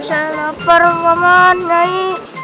saya lapar paman nyai